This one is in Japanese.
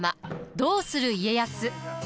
「どうする家康」。